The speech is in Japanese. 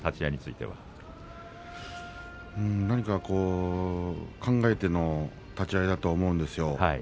何か考えての立ち合いだとは思うんですよ。